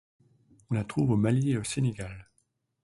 On la trouve au Mali et au Sénégal.